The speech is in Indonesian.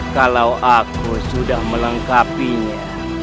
kalau aku sudah melengkapinya